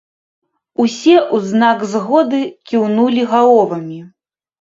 Усе ў знак згоды кіўнулі галовамі.